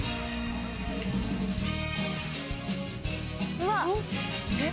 ・うわ・・えっ？